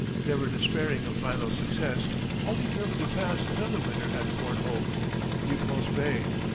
Never despairing of final success, Hall determined to pass another winter at Fort Hope, Repulse Bay.